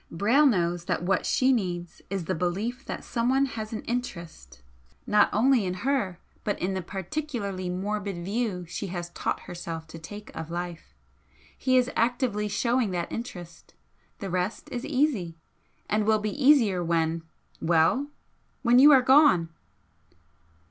Brayle knows that what she needs is the belief that someone has an interest not only in her, but in the particularly morbid view she has taught herself to take of life. He is actively showing that interest. The rest is easy, and will be easier when well! when you are gone."